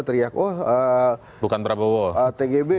teriak oh tgb